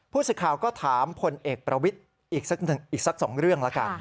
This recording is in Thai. ผู้สื่อข่าวก็ถามพลเอกประวิทย์อีกสักสองเรื่องแล้วกัน